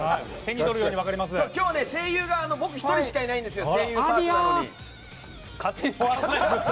今日は声優が僕１人しかいないんですよ。